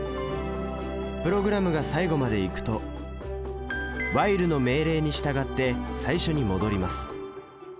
プログラムが最後まで行くと「ｗｈｉｌｅ」の命令に従って最初に戻ります。